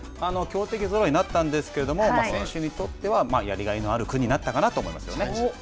強敵ぞろいになったんですけれども選手にとってはやりがいのある組になったかなと思いますね。